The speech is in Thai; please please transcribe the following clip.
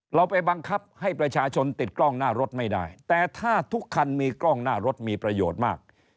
เราไปบังคับให้ประชาชนติดกล้องหน้ารถไม่ได้แต่ถ้าทุกคันมีกล้องหน้ารถมีประโยชน์มาก